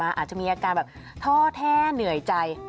อาจจะมีอาการแบบท่อแท่เหนื่อยใจ